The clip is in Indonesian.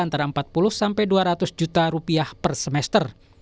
antara empat puluh sampai dua ratus juta rupiah per semester